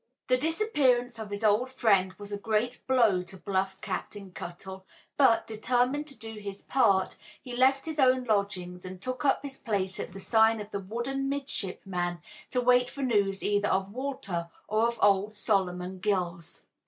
The disappearance of his old friend was a great blow to bluff Captain Cuttle, but, determined to do his part, he left his own lodgings and took up his place at the sign of the wooden midshipman to wait for news either of Walter or of old Solomon Gills.